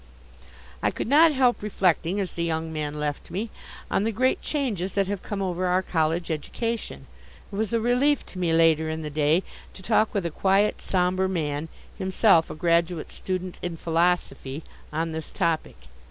I could not help reflecting, as the young man left me, on the great changes that have come over our college education. It was a relief to me later in the day to talk with a quiet, sombre man, himself a graduate student in philosophy, on this topic.